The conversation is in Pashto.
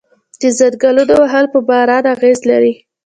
د ځنګلونو وهل په باران اغیز لري؟